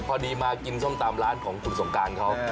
พอดีมากินส้มตำร้านของคุณสงการเขา